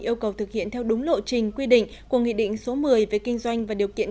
yêu cầu thực hiện theo đúng lộ trình quy định của nghị định số một mươi về kinh doanh và điều kiện